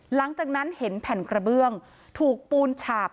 หลังจากนั้นเห็นแผ่นกระเบื้องถูกปูนฉาบ